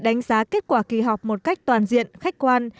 đánh giá kết quả kỳ họp một cách toàn diện khách quan